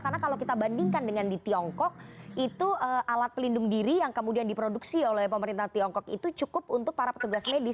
karena kalau kita bandingkan dengan di tiongkok itu alat pelindung diri yang kemudian diproduksi oleh pemerintah tiongkok itu cukup untuk para petugas medis